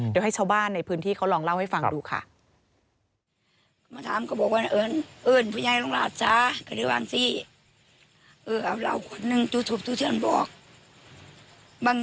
เดี๋ยวให้ชาวบ้านในพื้นที่เขาลองเล่าให้ฟังดูค่ะ